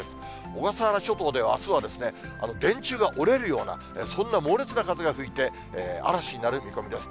小笠原諸島では、あすは電柱が折れるような、そんな猛烈な風が吹いて、嵐になる見込みです。